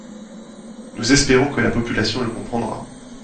Nous espérons que la population le comprendra.